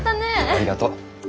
ありがとう。